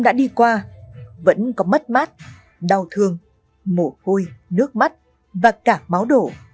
đã đi qua vẫn có mất mát đau thương mổ hôi nước mắt và cả máu đổ